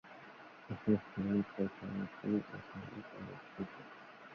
উষা fan কারখানাটি এখানে অবস্থিত।